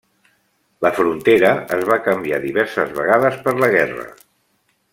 La frontera es va canviar diverses vegades per la guerra.